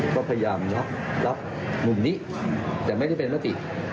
ก็พยายามรับมุมนี้แต่ไม่ได้เป็นมติ